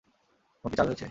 Phone কি charge হয়েছে?